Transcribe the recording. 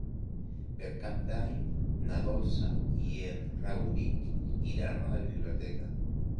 Per Cap d'Any na Dolça i en Rauric iran a la biblioteca.